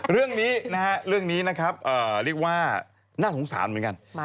เรื่องนี้เรียกว่าน่าสงสารเหมือนกัน